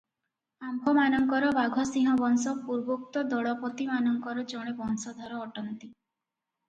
ଆମ୍ଭମାନଙ୍କର ବାଘସିଂହ ବଂଶ ପୂର୍ବୋକ୍ତ ଦଳପତିମାନଙ୍କର ଜଣେ ବଂଶଧର ଅଟନ୍ତି ।